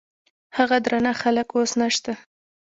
هغه درانه خلګ اوس نشته.